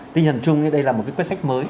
tinh thần chung đây là một quyết sách mới